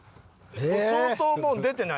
相当もう出てない？